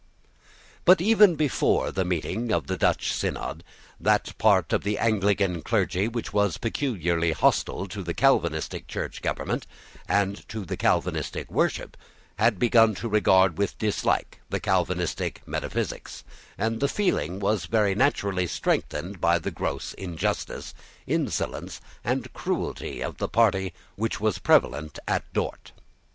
But, even before the meeting of the Dutch synod, that part of the Anglican clergy which was peculiarly hostile to the Calvinistic Church government and to the Calvinistic worship had begun to regard with dislike the Calvinistic metaphysics; and this feeling was very naturally strengthened by the gross injustice, insolence, and cruelty of the party which was prevalent at Dort.